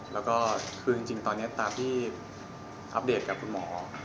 แล้วก็คือจริงตอนนี้ตามที่อัปเดตกับคุณหมอ